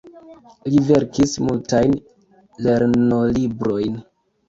Li verkis multajn lernolibrojn.